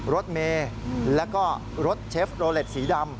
รถเมย์แล้วก็รถเชฟโรเล็ตสีดำ